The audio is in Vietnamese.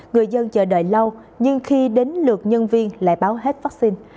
người dân chờ đợi lâu nhưng khi đến lượt nhân viên lại báo hết vaccine